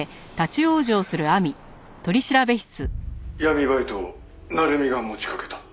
闇バイトを鳴海が持ちかけた。